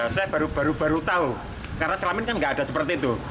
saya baru baru tahu karena selama ini kan nggak ada seperti itu